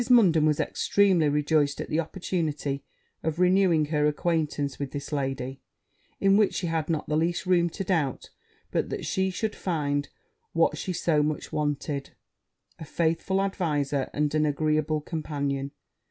Munden was extremely rejoiced at the opportunity of renewing her acquaintance with this lady; in which she had not the least room to doubt but that she should find what she so much wanted, a faithful adviser and an agreeable companion.